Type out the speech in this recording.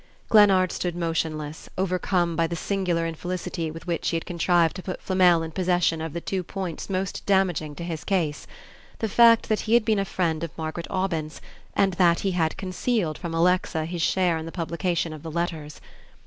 Glennard stood motionless, overcome by the singular infelicity with which he had contrived to put Flamel in possession of the two points most damaging to his case: the fact that he had been a friend of Margaret Aubyn's, and that he had concealed from Alexa his share in the publication of the letters.